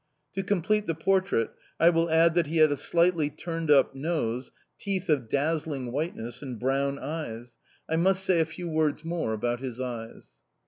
To complete the portrait, I will add that he had a slightly turned up nose, teeth of dazzling whiteness, and brown eyes I must say a few words more about his eyes.